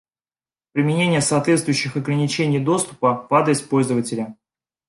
Применение соответствующих ограничений доступа в адрес пользователя